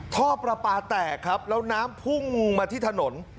ท่อประปาแตกครับแล้วน้ำพุ่งมาที่ถนน